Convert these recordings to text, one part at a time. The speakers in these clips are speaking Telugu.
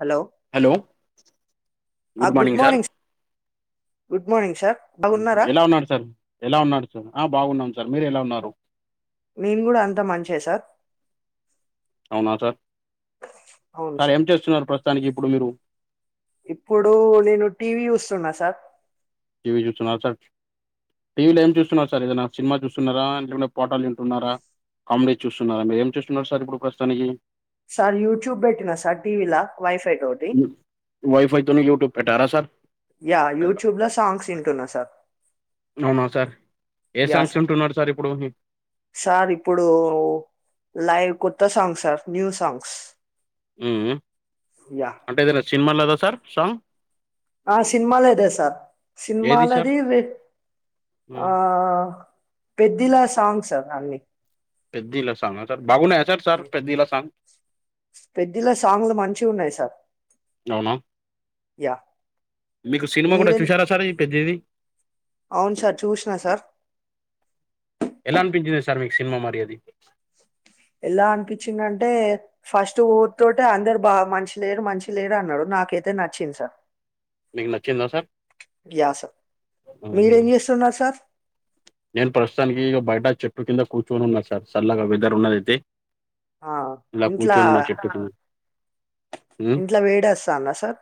హలో హలో ఆ గుడ్ మార్నింగ్ స్ ఎలా ఉన్నాడు సార్ ఎలా ఉన్నాడు సార్ ఆ బాగున్నాం సార్ మీరు ఎలా ఉన్నారు నేన్ కూడా అంతా మంచే సార్ అవునా సార్ సార్ ఏం చేస్తున్నారు ప్రస్తుతానికి ఇప్పుడు మీరు ఇప్పుడు నేను టీవీ చూస్తున్నా సార్ టీవీ చూతున్నారా సార్ టీవీలో ఏం చూస్తున్నారు సార్ ఏదైనా సినిమా చూస్తున్నారా లే లేకుంట పాటాలు వింటున్నరా కామెడీ చూస్తున్నన్నార ఏం చూస్తున్నారు సార్ ఇప్పుడు ప్రస్తుతానికి సార్ యూట్యూబ్ పెట్టినా సార్ టీవీ లా వయి ఫైతోని యూట్యూబ్ పెట్టారా సార్ యా యూట్యూబ్లో సాంగ్స్ ఇంటూన్నా సార్ అవునా సార్ ఏ సాంగ్స్ వింటున్నారు సార్ ఇప్పుడు సార్ ఇప్పుడు లైవ్ కొత్త సాంగ్ సార్ న్యూ సాంగ్స్ మ్ యా అంటే ఏదైనా సినిమా లేదా సార్ సాంగ్ ఆ సినిమాలోదే సార్ ఏది సార్ సినిమాలది విట్ ఉమ్, ఆ పెద్దిలా సాంగ్స్ సార్ అన్ని పెద్దీలా సాంగ సార్ బగున్నాయా సార్ సార్ పెద్దీ లా సాంగ్ పెద్దిల సాంగ్లు మంచిగున్నాయి సార్ అవునా యా మీకు సినిమా కూడా మీరే చూసారా సార్ ఈ పెద్దిది అవును సార్ చూసినా సార్ ఎలా అనిపించింది సార్ మీకు సినిమా మరి అది ఎలా అనిపించిందంటే ఫస్ట్ ఊర్తో అందరు బా మంచి లేరు మంచి లేరు అన్నారు నాకైతే నచ్చింది సార్ మీకు నచ్చిందా సార్ యా సార్ హుహు. మీరెం చేస్తున్నారు సార్ నేను ప్రస్తుతానికి ఇక బయట చెట్టు కింద కూర్చుని ఉన్నా సార్ చల్లగా వెదర్ ఉన్నదయితే ఆ ఇంట్లా కింద ఉమ్, ఇంట్లో వేడస్తాందా సార్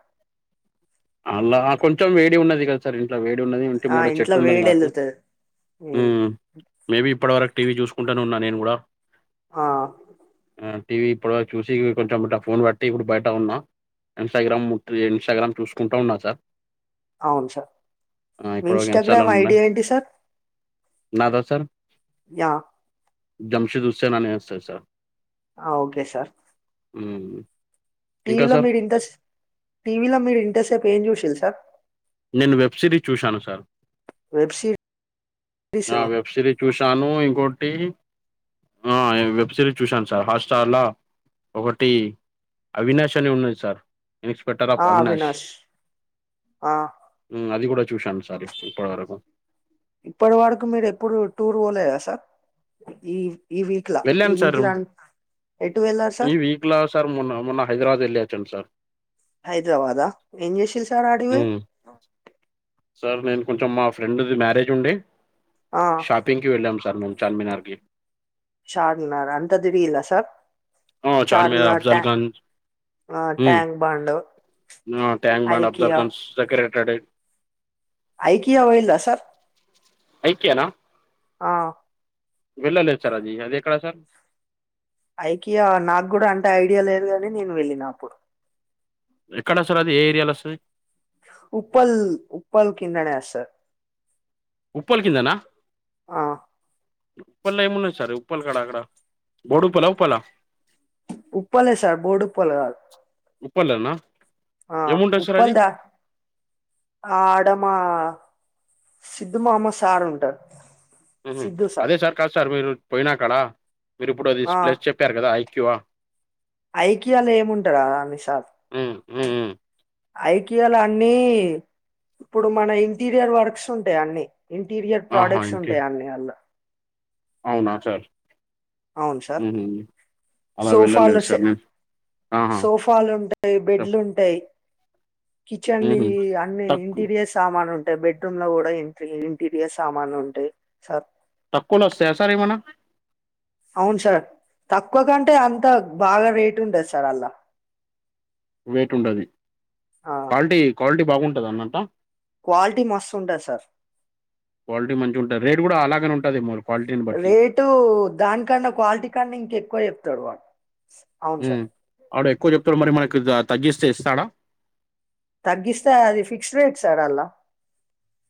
అలా కొంచెం వేడి ఉన్నది ఇట్లా వేడి ఉన్నది ఇంటి ఆ, ముంగడ ఇంట్లో చెట్టు ఉన్నది వేడి మాకు వెళ్తుంది ఉమ్, మ్ మేబి ఇప్పటి వరకు టీవీ చూసుకుంటానే ఉన్నా నేను కూడా ఆ టీవీ ఇప్పుడు వరకు చూసి కొంచెం ఇట్ట ఫోన్ పట్టి ఇప్పుడు బయట ఉన్నా ఇన్స్టాగ్రామ్ ముక్తి ఇన్స్టాగ్రామ్ చూసుకుంటా ఉన్నా సార్ అవును సార్ ఆ, మీ ఇప్పుడు ఒక ఇన్స్టాలో ఇన్స్టాగ్రామ్ ఉన్నా ఐడి ఏంటి సార్ నాదా సార్ య జమ్షెద్ హుస్సేనని వస్తాది సార్ అ ఓకే సార్ మ్ టీవీలో మీరు ఇంట్రెస్ట్ టీవీలో మీరు ఇంట్రెస్ట్ సేపు ఏం చూసిర్రు సార్ నేను వెబ్ సిరీస్ చూశాను సార్ వెబ్ సిరి ఆ వెబ్ సిరీస్ చూశాను ఇంకోొటి ఆ నేన్ వెబ్ సిరీస్ చూశాను సార్ హాట్స్టార్ ల ఒకటి అవినాష్ అని ఉన్నది సార్ ఇన్స్పెక్టర్ ఆఫ్ అవినాష్ ఆ, మ్ అది కూడా చూశాను సార్ ఇప్పటి వరకు ఇప్పటి వరకు మీరు ఎప్పుడు టూర్ పోలేదా సార్ ఈ వీక్లా ఈ వెళ్ళాను సార్ వీక్లా ఎటు వెళ్ళారు సార్ ఈ వీక్ లో సార్ మొన్న మొన్న హైదరాబాద్ వెళ్ళ చ్చాన్ సార్ హైదరాబాదా ఏం చేసిర్రు సార్ అడికిపోయ్ హ్మ్. సార్ నేను కొంచెం మా ఫ్రెండ్ది మ్యారేజ్ ఉండె ఆ షాపింగ్కి వెళ్ళము సార్ మేము చార్మినార్కి చార్మినార్ అంతది ఇలా సార్ ఆ చార్మినార్ అఫ్జల్గంజ్ ఆ మ్ tank bund tank bund అబ్జల్ IKEA Khan సెక్రేట్ సడ్ ఐకియా పొఇళ్ల సార్ ఐకియనా ఆ వెళ్ళలేదు సార్ అది అది ఎక్కడా సార్ ఐకియా నాకు కూడా అంటే ఐడియా లేదు కాని నేను వెళ్ళిన అప్పుడు ఎక్కడ సర్ అది ఏ ఏరియాలో వస్తది ఉప్పల్ ఉప్పల్ కిందనే వస్తది ఉప్పలి కిందనా ఆ ఉప్పళ్ళో ఏమున్నది సర్ ఉప్పల్ కడ అక్కడ బోడుప్పలా ఉప్పలా ఉప్పలే సార్ బోర్డు ఉప్పల్ కాదు ఉప్పలన్నా ఆ ఉప్పల్దా ఆ ఆడమా సిద్దు మామ సార్ ఉంటారు అదే సార్ కాదు సార్ మీరు పోయినా కాడా మీరు ఇప్పుడది ఆ ప్లస్ చెప్పారు కదాఐ కివ ఐకియాలో ఏముంటా దా అండి సర్ మ్ మ్ ఐకియాలో అన్నీ ఇప్పుడు మన ఇంటీరియర్ వర్క్స్ ఉంటాయి అన్నిీ ఇంటీరియర్ ఆహా ప్రొడక్ట్స్ ఇంకే ఉంటాయి అన్నీ అళ్ళ అవునా సార్ అవును సార్ మ్ హూ సోఫాలు డ్ ఆహా సోఫాలు ఉంటాయి బెడ్లు ఉంటాయి కిచెన్ వి ఉహు అన్ని తక్కు ఇంటీరియర్ సామాను ఉన్ అంటే బెడ్రూమ్ లో కూడా ఇ ఇంటీరియర్ సామాన్లు ఉంటాయి సార్ తక్కువలో వస్తాయా సార్ ఏమన్నా అవును సార్ తక్కువ కంటే అంత బాగా రేట్ ఉంటది సార్ అల్లా వెయిట్ ఉంటది క్వాలిటీ క్వాలిటీ బాగుంటదన్నట క్వాలిటీ మస్తు ఉంటది సార్ క్వాలిటీ మంచిగ ఉంటంది రేట్ కూడా అలాగనే ఉంట రేటు దానికన్నా క్వాలిటీ కన్నా ఇంకెక్కువ చెప్తాడు వాడు అవును సార్ వాడు ఎక్కువ చెప్తాడు మరి మనకి తగ్గిస్తే ఇస్తాడా తగ్గిస్తే అది ఫిక్స్ రేట్ సార్ అల్లా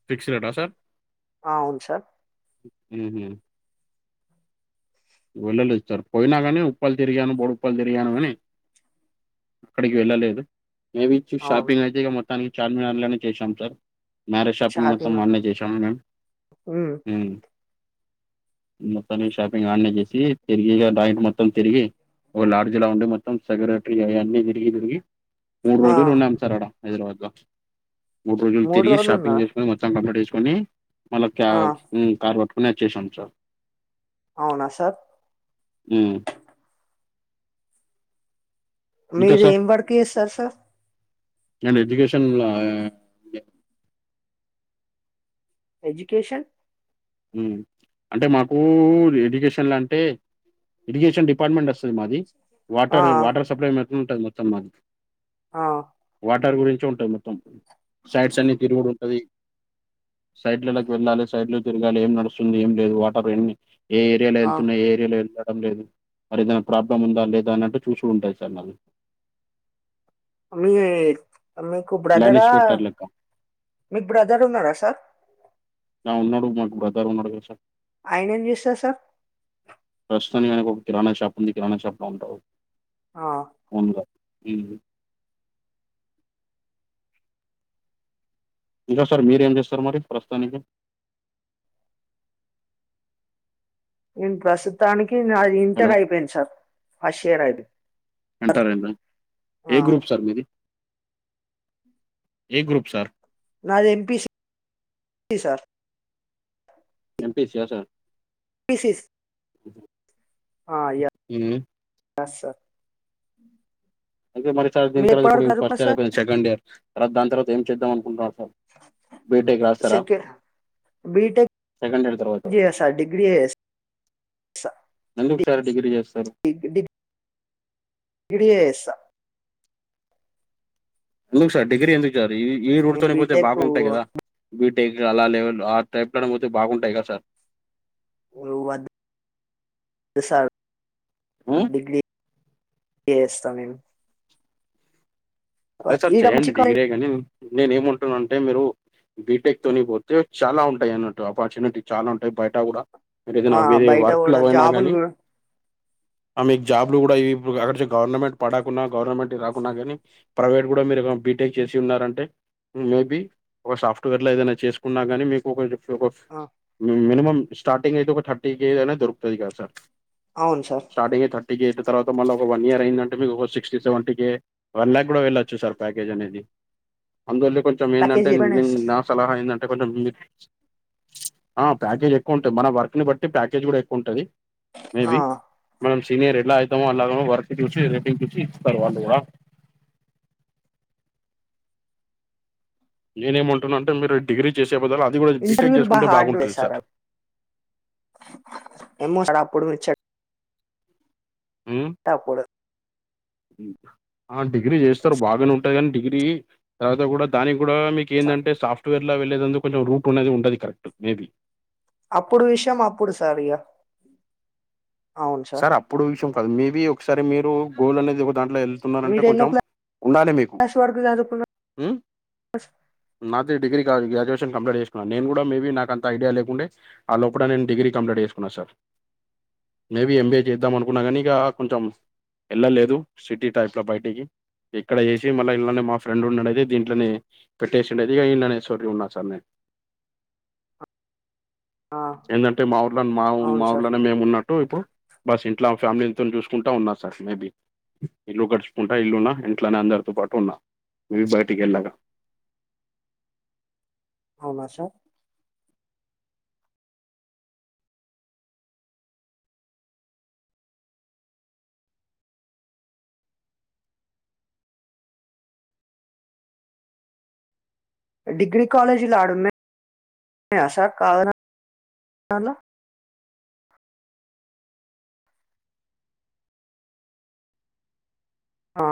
ఫిక్స్ రేటా సార్ అవును సార్ మ్ హు వెళ్ళనిస్తారు పోయినా కానీ ఉప్పలు తిరిగాను బొడుప్పలు తిరిగాను కాని అక్కడికి వెళ్ళలేదు మేమి ఇచ్చి అవును షాపింగ్ అయితే ఇగ మొత్తానికి చార్మినార్లనే చేశాం సార్ మ్యారేజ్ షాపింగ్ మొత్తం చార్మినార్ ఆడనే చేసాము మేము ఉమ్. మ్ మొత్తానికి షాపింగ్ ఆడనేచేసి తిరిగి ఇగ నైట్ మొత్తం తిరిగి ఒక లాడ్జ్ లో ఉండి మొత్తం సెక్రటరీ అయి అన్నీ తిరిగి తిరిగి మూడు ఆ. రోజులు ఉన్నాం సార్ అడ హైదరాబాద్ లో మూడు రోజులు తిరిగి షాపింగ్ చేసుకుని మొత్తం కంప్లీట్ చెస్ కొని మళ్ళా ఆ కార్ పట్టుకుని అచ్చేషినం సర్ అవునా సార్ మీరు ఏం వర్క్ చేస్తారు సార్ అండ్ ఎడ్యుకేషన్ ల ఎజ్యుకేషన్ ఉమ్ అంటే మాకు ఎడ్యుకేషన్లంటే ఏడ్యూకేషన్ డిపార్ట్మెంట్ వస్తది మాది ఆ వాటర్ వాటర్ సప్లై మెత్త ఉంటది మొత్తం మాది ఆ వాటర్ గురించె ఉంటది మొత్తం సైట్స్ అన్ని తిరుగుడుంటది సైట్లళ్లక్ వెళ్ళాలి సైట్లో తిరగాలి ఏం నడుస్తుంది ఏం లేదు వాటర్ ఎన్ని ఎ ఏరియాల ఆ ఎంతున్నాయ్ ఏరియాలో ఎళ్త పర్లేదు మరి ఏదైనా ప్రాబ్లం ఉందా లేదా అన్నట్టు చూస్డ్ ఉంటాది సార్ నాకు మీరే మీకు లైన్ బ్రదరా ఇన్స్పెక్టర్ లెక్క మీకు బ్రదర్ ఉన్నాడా సార్ ఆ ఉన్నాడు మాక్ బ్రదర్ ఉన్నాడు ఆయన ఏం చేస్తార్ సార్ ప్రస్తుతానికి ఆయనకి ఒక కిరాణా షాప్ ఉంది కిరాణా షాప్ లో ఉంటారు ఆ ఓన్గా ఊమ్ ఇంకా సార్ మీరేం చేస్తారు మరి ప్రస్తుతానికి నేను ప్రస్తుతానికి నాది హలో ఇంటర్ అయిపోయింది సార్ ఫస్ట్ ఇయర్ అయిది ఎంటరేనా ఏ గ్రూప్ సార్ మీది ఏ గ్రూప్ సార్ నాది ఎంపిసి సార్ ఎంపీసి ఆ సార్ పీసిస్ ఉమ్ కాద్సా అంటే మరి చా దీన్ తర్వత ఇప్పుడు ఫస్ట్ ఇయర్ సార్ అయిపో సెండ్ ఇయర్ తర్వా దాని తర్వాత ఏం చేద్దాం అకుంటున్నారు బీటేక్ రాస్తరా సెకండ్ బీటెక్ డిగ్రీ చేస్తా డిగ్రీ ఎ ఎందుకు సార్ డిగ్రీ చేస్తారు ఇడియేస్త ఎందుకు సార్ డిగ్రీ ఎందుకు సార్ ఈ ఈ నేను రూడ్తోని పోతే బీటెక్ బాగుంటాయి కదా టేక్ అలా లెవల్ ఆ టైప్లనే పోతే బాగుంటాయి కదా సార్ నువద్ సార్ ఉమ్, డిగ్రీ ఎస్తా మిమ్ అదే సార్ చేయండి మంచి డిగ్రీ కాలేజ్ ఎ గని నేన ఏమంటున్న అంటే మీరు బీటెక్ తోని పోతే చాలా ఉంటాయి అన్నట్టు ఆపర్చునిటీ చానా ఉంటాయి బయట కూడా మీరేదన్న ఆ వేరే బయట వర్క్లు కూడా పోయినా జాబులు గానీ కూడా ఆ మీక్ జాబ్లు కూడా ఇవి ఇప్పుడు గగట్లే గవర్నమెంట్ పడకున్నా గవర్నమెంట్ రాకున్నా గానీ ప్రైవేట్ కూడా మీరు ఒక బీటెక్ చేసి ఉన్నారంటే మేబి ఒక సాఫ్ట్వేర్ లో ఏదైనా చేసుకున్నా గానీ మీకుంచ ఆ మినిమం స్టార్టింగ్ అయితే ఒక థర్టీ కే దైనా దొరుకుతది కదా సార్ అవును సార్ స్టార్టింగే థర్టీ కె అయితే తర్వాత మళ్ళోక వన్ ఇయర్ అయిందంటే మీకొక సిక్స్టీ సెవెంటీకే వన్ ల్యాక్ కూడా వెళ్ళొచ్చు సార్ ప్యాకేజ్ అనేది అందువల్ల కొంచెం ఏందంటే ప్యాకేజ్ చెప్పండి నేన్ సార్ నా సలహా ఏందం అంటే కొంచెం ఆ ప్యాకేజ్ ఎక్కువ ఉంటది మన వర్క్ ని బట్టి ప్యాకేజ్ కూడా ఎక్కువుంటది మే ఆ బి మనం సీనియర్ ఎలా అయితామో అలాగో వర్క్ చూసి రేటింగ్ చూసి ఇస్తారు వాళ్ళు కూడా నేనేమంటున్న అంటే మీరు డిగ్రీ చేసే బదలు అది కూడా బీటెక్ ఇంటర్వ్యూలు చేసుకుంటే బాగుంటుంది సార్ ఎమ చపడు ఉమ్ అప్పుడు ఆ డిగ్రీ చేస్తరు బాగనే ఉంటది కాని డిగ్రీ తర్వాత కూడా దానికి కూడా మీకు సార్ ఏందంటే సాఫ్ట్వేర్ లో వెళ్లేేందుకు కొంచెం రూట్ అనేది ఉంటది కరెక్ట్ మేబీ అప్పుడు విషయం అప్పుడు సారిగా సార్ అప్పుడు విషయం కాదు మేబీ ఒకసారి మీరు గోల్ అనేది ఒక దాంట్లో వెళ్తున్నారంటే మీరు ఎన్నో కొంచెం ఉండాలి మీకు క్లాస్ వరకు చదువుకున్నారు నాతె డిగ్రీ కావజ గ కంప్లెంట్ చేసుకున్న నేను కూడా మేబీ నాకు అంత ఐడియా లేకుండే ఆ లోపల నేను డిగ్రీ కంప్లీట్ చేసుకున్నా సార్ మేబీ ఎంబీఏ చేద్దాం అనుకున్నా కానీ ఇగ కొంచెం వెళ్ళలేదు సిటీ టైప్లో బయటికి ఇక్కడ చేసి మళ్ళీ ఇల్నే మా ఫ్రెండ్ ఉన్నడుయితే దీంట్లోనే పెట్టేసిండది ఇక ఇల్లనే సోరీ ఉన్నా సార్ నేను ఆ ఏందంటే మా ఊర్ల మా అవును మా సార్ ఊర్లనే మేము ఉన్నట్టు బస్ ఇంట్లో ఫ్యామిలీతో చూసుకుంటా ఉన్నా సార్ మేబీ ఇల్లు గడుచుకుంటా ఇల్లున్నా ఇంట్లోనే అందరితో పాటు ఉన్నా బయటికి వెళ్ళగా అవునా సార్ డిగ్రీ కాలేజ్ లాడున్నాయ్ ఉన్నాయ సార్ కావనా ఆ